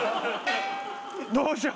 どうしよう。